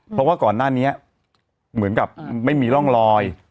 เพราะว่าก่อนหน้านี้เหมือนกับไม่มีร่องรอย